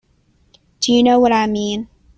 Do you know what I mean?